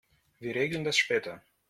Wir regeln das später.